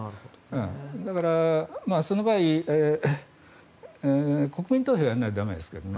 だからその場合、国民投票をやらないといけないですが。